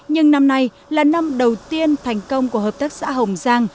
nhưng năm nay là năm đầu tiên thành công của hợp tác xã hồng giang